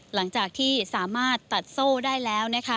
หลังจากที่สามารถตัดโซ่ได้แล้วนะคะ